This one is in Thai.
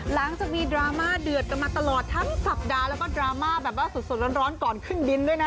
หลังจากมีดราม่าเดือดกันมาตลอดทั้งสัปดาห์แล้วก็ดราม่าแบบว่าสดร้อนก่อนขึ้นบินด้วยนะ